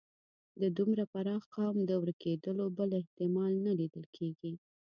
د دومره پراخ قوم د ورکېدلو بل احتمال نه لیدل کېږي.